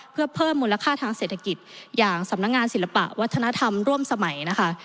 เพื่อเพิ่มมูลค่าทางเศรษฐกิจอย่างสำนักงานศิลปะวัฒนธรรมร่วมสมัยนะคะ